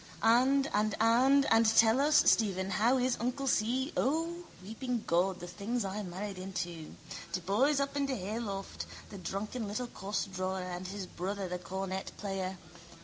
And and and and tell us, Stephen, how is uncle Si? O, weeping God, the things I married into! De boys up in de hayloft. The drunken little costdrawer and his brother, the cornet player.